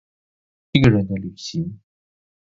一個人的旅行